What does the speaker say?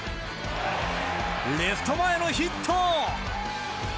レフト前のヒット。